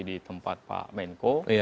di tempat pak menko